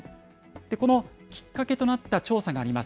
このきっかけとなった調査があります。